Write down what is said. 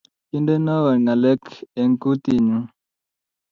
Kindenowo ngalek eng kutinyu